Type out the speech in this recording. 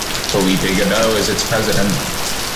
Philippe Godeau is its president.